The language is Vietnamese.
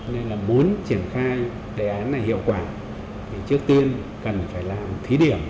nên là muốn triển khai đề án này hiệu quả thì trước tiên cần phải làm thí điểm